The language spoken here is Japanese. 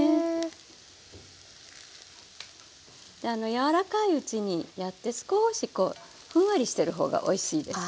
柔らかいうちにやって少しふんわりしてるほうがおいしいですよね。